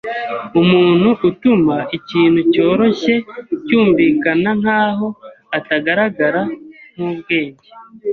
Umuntu utuma ikintu cyoroshye cyumvikana nkaho atagaragara nkubwenge.